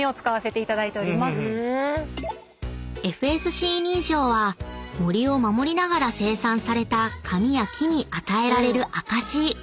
［ＦＳＣ認証は森を守りながら生産された紙や木に与えられる証し］